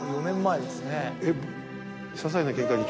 ４年前ですね。